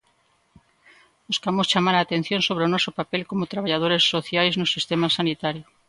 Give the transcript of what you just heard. Buscamos chamar a atención sobre o noso papel como traballadores sociais no sistema sanitario.